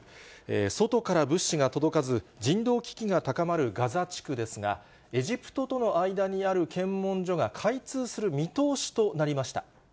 外から物資が届かず、人道危機が高まるガザ地区ですが、エジプトとの間にある検問所が開通する見通しとなりました。